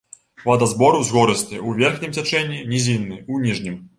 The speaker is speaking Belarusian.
Вадазбор узгорысты ў верхнім цячэнні, нізінны ў ніжнім.